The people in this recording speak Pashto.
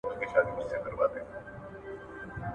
د بدو به بد مومې.